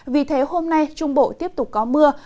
vì thế hôm nay trung bộ tiếp tục có mưa